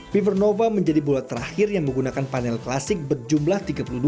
bivernova menjadi bola terakhir yang menggunakan panel klasik berjumlah tiga puluh dua